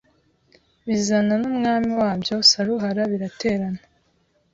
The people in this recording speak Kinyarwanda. bizana n'umwami wabyo Saruhara Biraterana